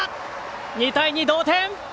２対２の同点！